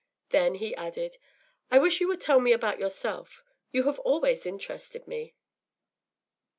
Then he added, “I wish you would tell me about yourself. You have always interested me.